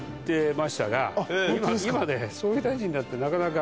今ね総理大臣になってなかなか。